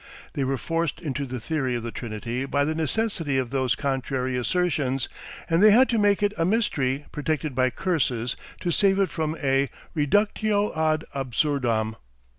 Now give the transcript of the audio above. They were forced into the theory of the Trinity by the necessity of those contrary assertions, and they had to make it a mystery protected by curses to save it from a reductio ad absurdam.